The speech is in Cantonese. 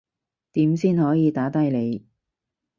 點先可以打低你